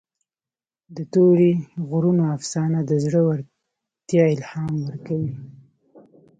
د تورې غرونو افسانه د زړه ورتیا الهام ورکوي.